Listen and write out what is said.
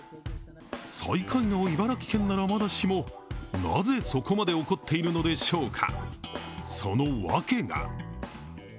最下位の茨城県ならまだしも、なぜそこまで怒っているのでしょうか。